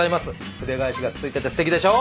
筆返しが付いててすてきでしょ？